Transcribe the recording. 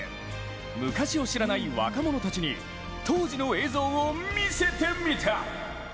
昔を知らない若者たちに当時の映像を見せてみた。